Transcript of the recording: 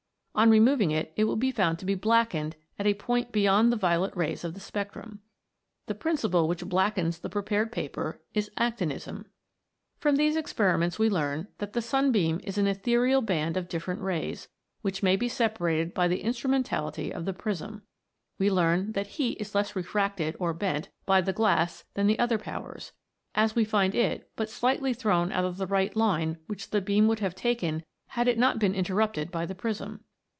On removing it it will be found to be blackened at a point beyond the violet rays of the spectrum. The principle which black ens the prepared paper is actinism. From these experiments we learn that the sun beam is an ethereal band of different rays, which maybe separated by the instrumentality of the prism. We learn that heat is less refracted, or bent, by the glass than the other powers, as we find it but slightly thrown out of the right line which the beam would have taken had it not been interrupted by the prism.